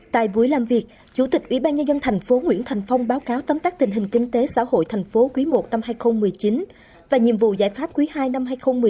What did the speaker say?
tại buổi làm việc chủ tịch ủy ban nhân dân thành phố nguyễn thành phong báo cáo tấm tác tình hình kinh tế xã hội thành phố quý i năm hai nghìn một mươi chín và nhiệm vụ giải pháp quý ii năm hai nghìn một mươi chín